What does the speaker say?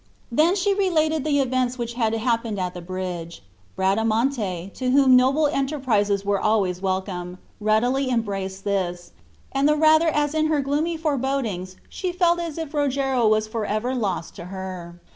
Then she related the events which had happened at the bridge. Bradamante, to whom noble enterprises were always welcome, readily embraced this, and the rather as in her gloomy forebodings she felt as if Rogero was forever lost to her.